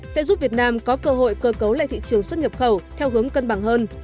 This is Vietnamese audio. sẽ giúp việt nam có cơ hội cơ cấu lại thị trường xuất nhập khẩu theo hướng cân bằng hơn